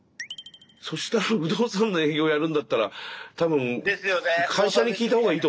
そしたら不動産の営業やるんだったら多分会社に聞いた方がいいと思うよ。